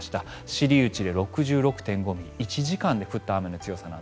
知内で６６．５ミリ１時間で降った雨です。